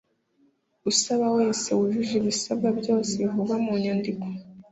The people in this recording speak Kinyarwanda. Usaba wese wujuje ibisabwa byose bivugwa munyandiko